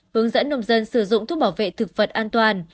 hướng dẫn nông dân sử dụng thuốc bảo vệ thực vật an toàn